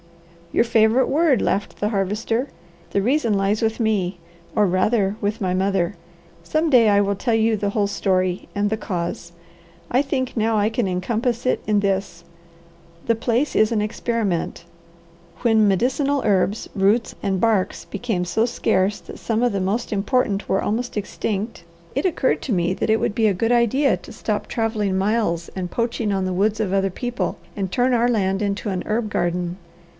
"Your favourite word," laughed the Harvester. "The reason lies with me, or rather with my mother. Some day I will tell you the whole story, and the cause. I think now I can encompass it in this. The place is an experiment. When medicinal herbs, roots, and barks became so scarce that some of the most important were almost extinct, it occurred to me that it would be a good idea to stop travelling miles and poaching on the woods of other people, and turn our land into an herb garden.